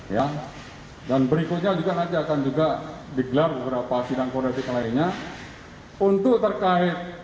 ya dan berikutnya juga nanti akan juga digelar beberapa sidang kode etik lainnya untuk terkait